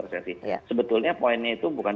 resesi sebetulnya poinnya itu bukan